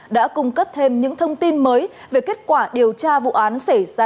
đã cung cấp thêm những thông tin mới về kết quả điều tra vụ án xảy ra